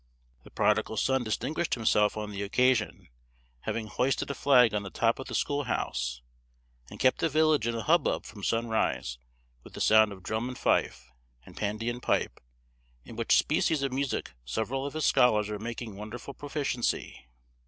The prodigal son distinguished himself on the occasion, having hoisted a flag on the top of the school house, and kept the village in a hubbub from sunrise with the sound of drum, and fife, and pandean pipe; in which species of music several of his scholars are making wonderful proficiency.